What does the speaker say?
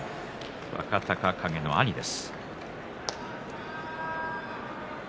若隆景の兄です。